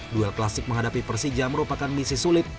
duel klasik menghadapi persija merupakan misi sulit